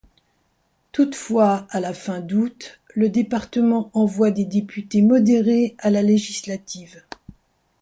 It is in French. Toutefois, à la fin d'août, le département envoie des députés modérés à la Législative.